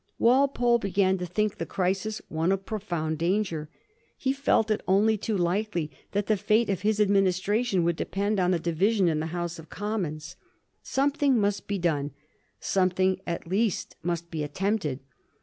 Wal pole began to think the crisis one of profound danger. He felt it only too likely that the fate of his administra tion would depend on the division in the House of Com mons. Something must be done ; something at least must be attempted.